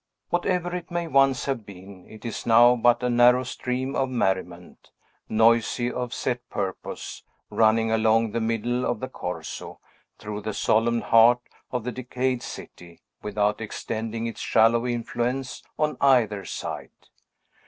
Whatever it may once have been, it is now but a narrow stream of merriment, noisy of set purpose, running along the middle of the Corso, through the solemn heart of the decayed city, without extending its shallow influence on either side.